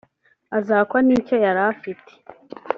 azakwa n’icyo yari afite